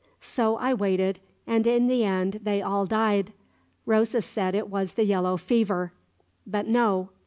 So I waited, and in the end they all died. Rosa said it was the yellow fever; but no."